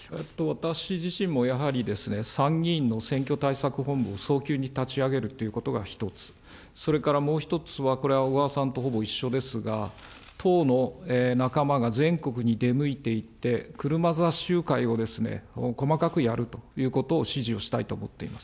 私自身もやはり参議院の選挙対策本部を早急に立ち上げるということが一つ、それからもう一つは、これは小川さんとほぼ一緒ですが、党の仲間が全国に出向いていって、車座集会を細かくやるということを指示をしたいと思っております。